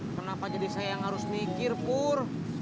kenapa jadi saya yang harus mikir pur